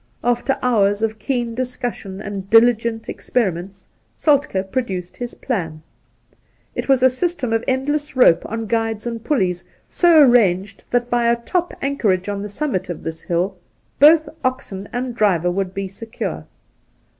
After hours of keen dis cussion and dOigent experiments, Soltkd produced his plan. It was a system of endless rope on guides and puUeys, so arranged that by a top anchorage on the summit of this hill both oxen and driver would be secure.